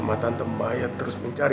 mama dia bukannya suruh kajian gue cari